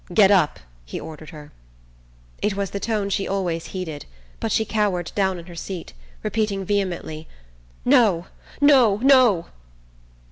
"Get up," he ordered her. It was the tone she always heeded, but she cowered down in her seat, repeating vehemently: "No, no, no!"